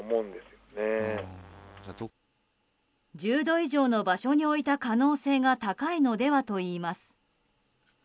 １０度以上の場所に置いた可能性が高いのではといいます。